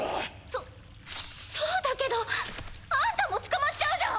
そそうだけどあんたも捕まっちゃうじゃん！